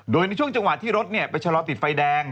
โดยในช่วงจังหวะที่รถไปชะลอติดไฟแดง